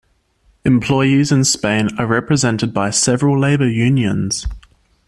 Employees in Spain are represented by several labor unions.